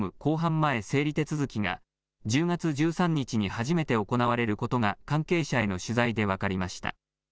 前整理手続きが１０月１３日に初めて行われることが関係者への取材で分かりました。